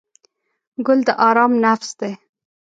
ګل د آرام نفس دی.